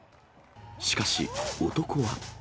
しかし、男は。